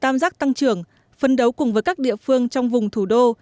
phía đông giáp tăng trưởng phấn đấu cùng với các địa phương trong vùng thủ đô